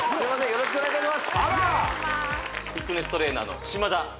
よろしくお願いします